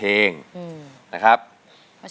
ร้องได้ไข่ล้าง